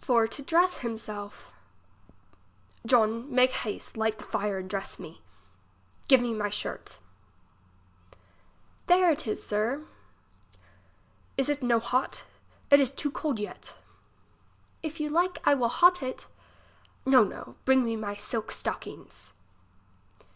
For to dress him self. John, make haste, lighted the fire and dress me. Give me my shirt. There is it sir. Is it no hot, it is too cold yet. If you like, I will hot it. No, no, bring me my silk stocking's.